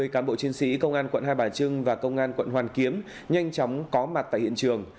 ba mươi cán bộ chiến sĩ công an quận hai bà trưng và công an quận hoàn kiếm nhanh chóng có mặt tại hiện trường